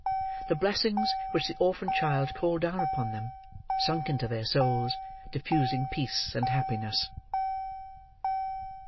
—the blessings which the orphan child called down upon them, sunk into their souls, diffusing peace and happiness.